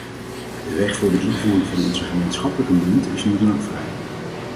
De weg voor de invoering van onze gemeenschappelijke munt is nu dan ook vrij!